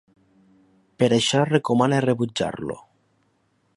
Per això es recomana rebutjar-lo.